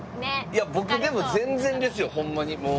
いや僕でも全然ですよホンマにもう。